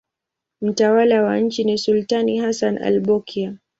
Mtawala wa nchi ni sultani Hassan al-Bolkiah.